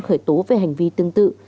khởi tố về hành vi tương tự